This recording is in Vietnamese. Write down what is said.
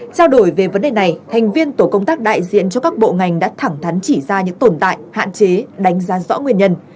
trao đổi về vấn đề này thành viên tổ công tác đại diện cho các bộ ngành đã thẳng thắn chỉ ra những tồn tại hạn chế đánh giá rõ nguyên nhân